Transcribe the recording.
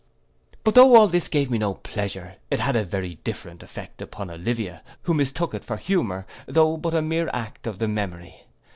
But though all this gave me no pleasure, it had a very different effect upon Olivia, who mistook it for humour, though but a mere act of the memory.